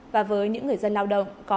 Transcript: và với những người dân lao động có mức thu nhập